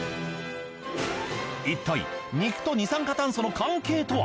いったい肉と二酸化炭素の関係とは。